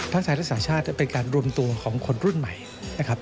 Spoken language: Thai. ไทยรักษาชาติจะเป็นการรวมตัวของคนรุ่นใหม่นะครับ